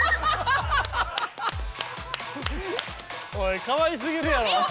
おいかわいすぎるやろ！